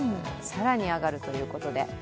更に上がるということで。